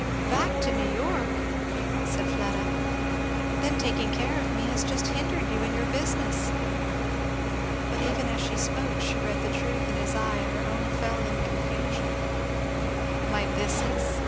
"Back to New York!" said Fleda. "Then taking care of me has just hindered you in your business." But even as she spoke she read the truth in his eye and her own fell in confusion. "My business?"